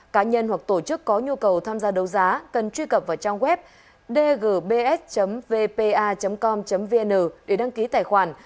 cá nhân hoặc tổ chức có nhu cầu tham gia đấu giá cần truy cập vào trang web dgbs vpa com vn để đăng ký tài khoản